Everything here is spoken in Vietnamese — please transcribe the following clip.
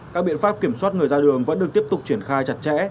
các biện pháp kiểm soát người ra đường vẫn được tiếp tục triển khai chặt chẽ